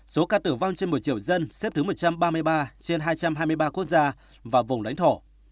số ca tử vong trên một mươi triệu dân xếp thứ một trăm ba mươi ba trên hai trăm hai mươi ba quốc gia và vùng lãnh thổ